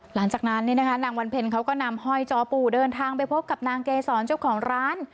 หลังจากนั้นนางวันเพ็ญเขาก็นำห้อยจอปู่เดินทางไปพบกับนางเกษรเจ้าของร้าน